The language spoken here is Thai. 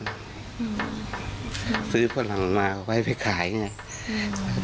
อืมซื้อผู้หลังมาไว้ไปขายไงอืม